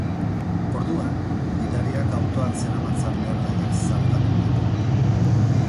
Orduan, gidariak autoan zeramatzan lehergaiak zartatu ditu.